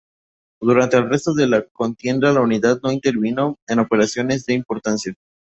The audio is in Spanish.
Durante el resto de la contienda la unidad no intervino en operaciones de importancia.